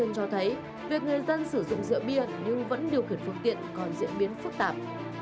nhưng cho thấy việc người dân sử dụng rượu bia nhưng vẫn điều khiển phương tiện còn diễn biến phức tạp